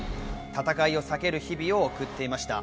戦いを避ける日々を送っていました。